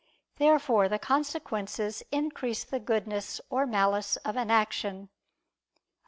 Therefore the consequences increase the goodness or malice of an action. Obj.